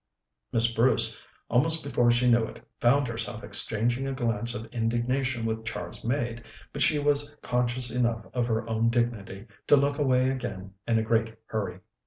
Miss Bruce, almost before she knew it, found herself exchanging a glance of indignation with Char's maid, but she was conscious enough of her own dignity to look away again in a great hurry.